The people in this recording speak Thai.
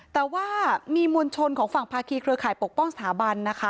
แต่ว่ามีมวลชนของฝั่งภาคีเครือข่ายปกป้องสถาบันนะคะ